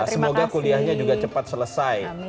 semoga kuliahnya juga cepat selesai